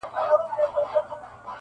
• په رګو کي د وجود مي لکه وینه,